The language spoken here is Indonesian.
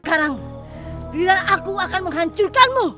sekarang bila aku akan menghancurkanmu